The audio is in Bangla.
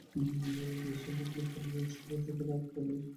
একদিন সন্ধ্যাকালে পরমহংস শুকের আখ্যানটি আমরা শুনিয়াছিলাম।